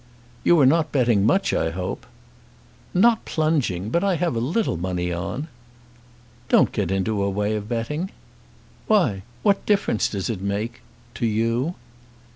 "You are not betting much, I hope." "Not plunging. But I have a little money on." "Don't get into a way of betting." "Why: what difference does it make, to you?"